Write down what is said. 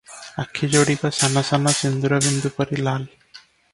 ଆଖି ଯୋଡ଼ିକ ସାନ ସାନ ସିନ୍ଦୂର ବିନ୍ଦୁ ପରି ଲାଲ ।